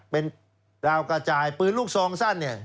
เป็นดาวกระจายปืนลูกซองสั้นเนี่ย